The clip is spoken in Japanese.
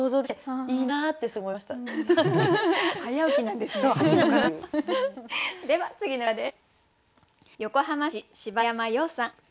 では次の歌です。